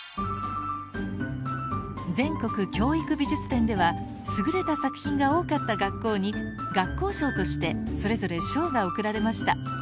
「全国教育美術展」では優れた作品が多かった学校に「学校賞」としてそれぞれ賞が贈られました。